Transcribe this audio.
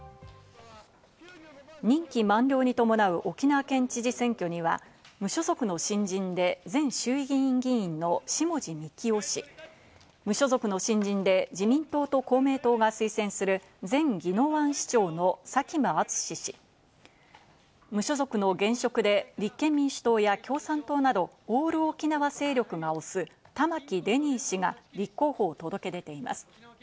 任期満了に伴う沖縄県知事選挙には、無所属の新人で前衆議院議員の下地幹郎氏、無所属の新人で自民党と公明党が推薦する前宜野湾市長の佐喜真淳氏、無所属の現職で立憲民主党や共産党などオール沖縄勢力が推す、玉城デニー氏が立候補を届け出ています。